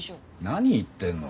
何言ってんの？